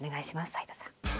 斉田さん。